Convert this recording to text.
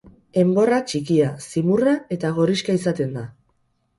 Enborra txikia, zimurra eta gorrixka izaten da.